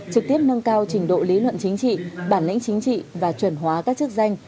trực tiếp nâng cao trình độ lý luận chính trị bản lĩnh chính trị và chuẩn hóa các chức danh